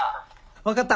分かった。